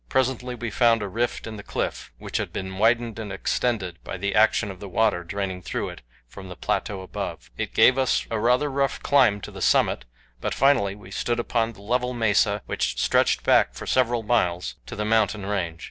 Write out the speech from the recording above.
Presently we found a rift in the cliff which had been widened and extended by the action of the water draining through it from the plateau above. It gave us a rather rough climb to the summit, but finally we stood upon the level mesa which stretched back for several miles to the mountain range.